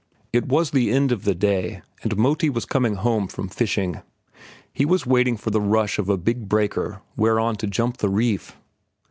It was the end of the day, and Moti was coming home from the fishing. He was waiting for the rush of a big breaker whereon to jump the reef.